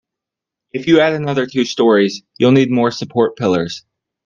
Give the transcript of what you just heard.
If you add another two storeys, you'll need more support pillars.